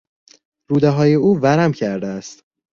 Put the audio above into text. رودههای او ورم کرده است.